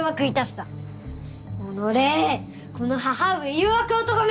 おのれこの母上誘惑男め！